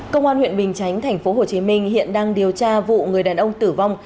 công an huyện bình chánh tp hcm hiện đang điều tra vụ người đàn ông tử vong